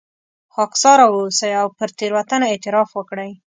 خاکساره واوسئ او پر تېروتنه اعتراف وکړئ.